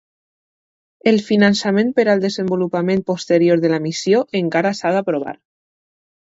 El finançament per al desenvolupament posterior de la missió encara s'ha d'aprovar.